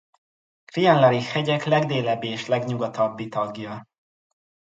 Crianlarich-hegyek legdélebbi és legnyugatabbi tagja.